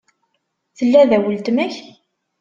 Tella da weltma-k?